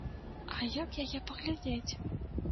А як яе паглядзець?